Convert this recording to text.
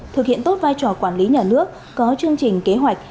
thực hiện tốt vai trò quản lý nhà nước có chương trình kế hoạch